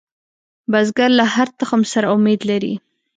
بزګر له هرې تخم سره امید لري